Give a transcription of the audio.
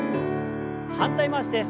反対回しです。